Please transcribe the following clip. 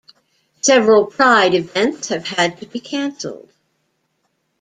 Several pride events have had to be cancelled.